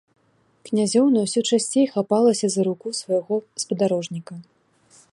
Князёўна ўсё часцей хапалася за руку свайго спадарожніка.